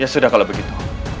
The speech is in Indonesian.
ya sudah kalau begitu